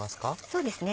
そうですね